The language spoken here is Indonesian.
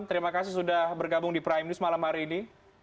terima kasih sudah bergabung di prime news malam hari ini